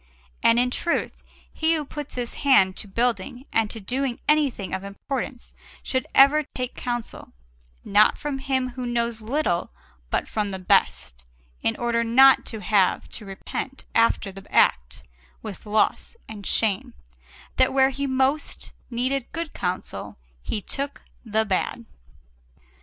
And in truth, he who puts his hand to building and to doing anything of importance should ever take counsel, not from him who knows little but from the best, in order not to have to repent after the act, with loss and shame, that where he most needed good counsel he took the bad.